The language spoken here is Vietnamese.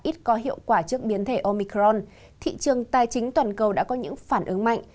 ít có hiệu quả trước biến thể omicron thị trường tài chính toàn cầu đã có những phản ứng mạnh